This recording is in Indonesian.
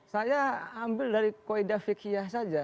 saya ambil dari kuida fikih saja